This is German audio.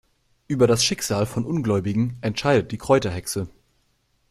Über das Schicksal von Ungläubigen entscheidet die Kräuterhexe.